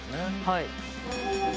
はい。